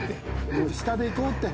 もう下でいこうって。